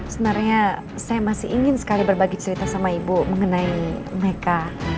sebenarnya saya masih ingin sekali berbagi cerita sama ibu mengenai mereka